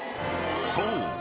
［そう。